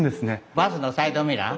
バスのサイドミラー。